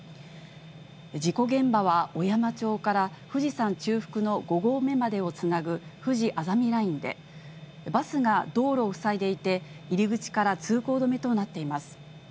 事故現場は小山町から富士山中腹の５合目までをつなぐふじあざみラインで、バスが道路を塞いでいて、入り口から通行止めとなっています。